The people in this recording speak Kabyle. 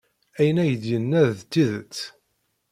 Ayen ay d-yenna d tidet.